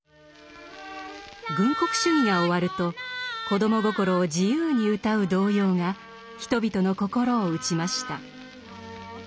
軍国主義が終わると子ども心を自由に歌う童謡が人々の心を打ちました。